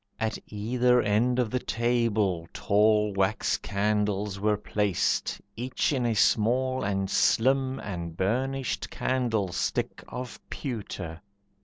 At either end of the table, tall Wax candles were placed, each in a small, And slim, and burnished candlestick Of pewter.